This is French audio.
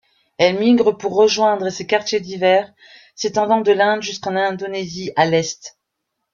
Elle migre pour rejoindre ses quartiers d'hiver s'étendant de l'Inde jusqu'en Indonésie à l'est.